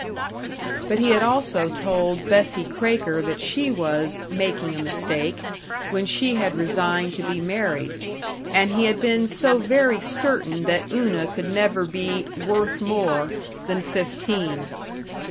But he had also told Bessie Kraker that she was "making a mistake" when she had resigned to be married, and he had been so very certain that Una could never be "worth more" than fifteen.